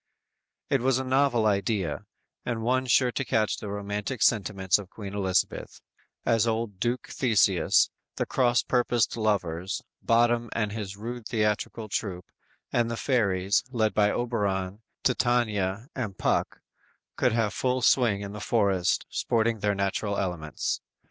It was a novel idea, and one sure to catch the romantic sentiments of Queen Elizabeth, as old Duke Theseus, the cross purposed lovers, Bottom and his rude theatrical troop, and the fairies, led by Oberon, Titania and Puck could have full swing in the forest, sporting in their natural elements.